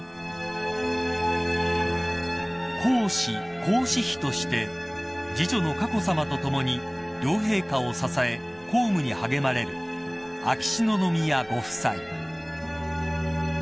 ［皇嗣皇嗣妃として次女の佳子さまと共に両陛下を支え公務に励まれる秋篠宮ご夫妻］